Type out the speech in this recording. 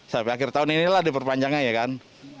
sampai akhir tahun inilah diperpanjangnya ya kan